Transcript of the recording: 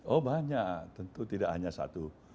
oh banyak tentu tidak hanya satu